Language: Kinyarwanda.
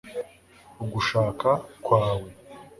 ugushaka kwawe